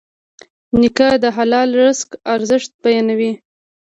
نیکه د حلال رزق ارزښت بیانوي.